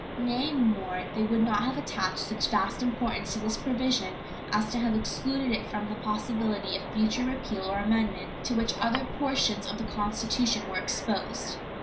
Nay, more, they would not have attached such vast importance to this provision as to have excluded it from the possibility of future repeal or amendment, to which other portions of the Constitution were exposed.